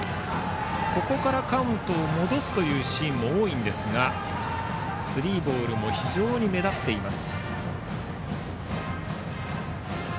ここからカウントを戻すシーンも多いですがスリーボールも非常に目立っています。